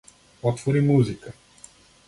Отвори Музика.